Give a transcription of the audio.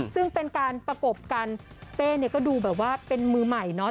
ซึ่งเป็นการประกบกันเป้เนี่ยก็ดูแบบว่าเป็นมือใหม่เนาะ